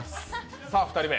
さぁ、２人目。